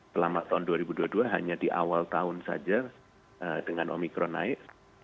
selama tahun dua ribu dua puluh dua hanya di awal tahun saja dengan omikron naik